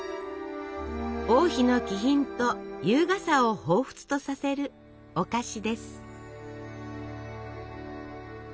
王妃の気品と優雅さをほうふつとさせるお菓子です。